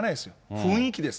雰囲気です。